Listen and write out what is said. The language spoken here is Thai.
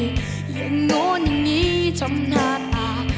อย่างโง่นอย่างงี้จำหน้าตา